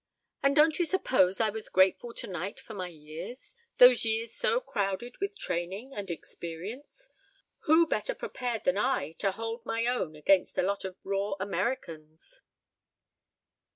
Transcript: And don't you suppose I was grateful tonight for my years those years so crowded with training and experience? Who better prepared than I to hold my own against a lot of raw Americans?"